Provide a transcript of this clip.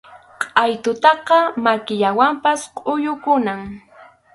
Qʼaytutaqa makillawanpas kʼuyukunam.